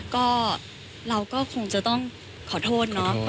ก็เราก็คงจะต้องขอโทษเนาะ